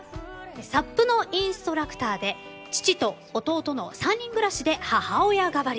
サップのインストラクターで父と弟の３人暮らしで母親代わり。